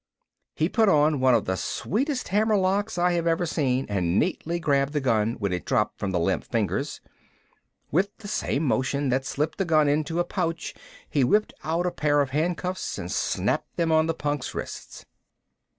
He put on one of the sweetest hammer locks I have ever seen and neatly grabbed the gun when it dropped from the limp fingers. With the same motion that slipped the gun into a pouch he whipped out a pair of handcuffs and snapped them on the punk's wrists.